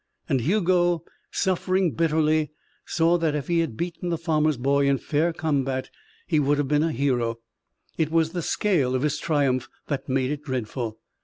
And Hugo, suffering bitterly, saw that if he had beaten the farmer's boy in fair combat, he would have been a hero. It was the scale of his triumph that made it dreadful.